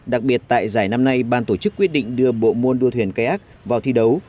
đặc biệt tại giải năm nay ban tổ chức quyết định đưa bộ môn đua thuyền cây ác vào thi đấu